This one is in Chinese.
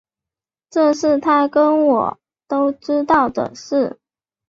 这是他跟我都知道的事